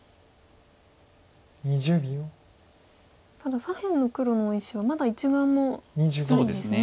ただ左辺の黒の大石はまだ１眼もないんですね。